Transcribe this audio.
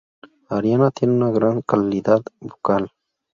Ariana tiene una gran calidad vocal.